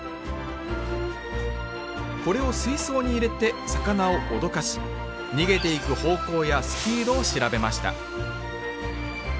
これを水槽に入れて魚を脅かし逃げていく方向やスピードを調べました